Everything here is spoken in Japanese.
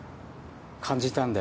感じたんだよ